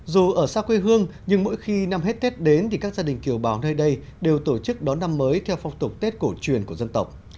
dù ở xa quê hương nhưng mỗi khi năm hết tết đến thì các gia đình kiều bào nơi đây đều tổ chức đón năm mới theo phong tục tết cổ truyền của dân tộc